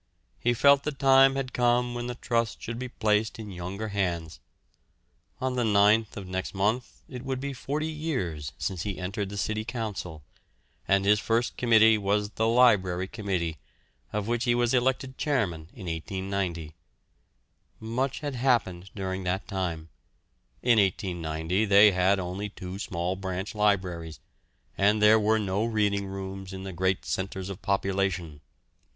He felt the time had come when the trust should be placed in younger hands. On the 9th of next month it would be forty years since he entered the City Council, and his first committee was the Library Committee, of which he was elected chairman in 1890. Much had happened during that time. In 1890 they had only two small branch libraries, and there were no reading rooms in the great centres of population.